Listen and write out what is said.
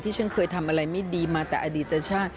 ฉันเคยทำอะไรไม่ดีมาแต่อดีตชาติ